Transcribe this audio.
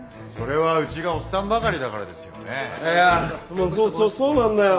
もうそうそうそうなんだよ。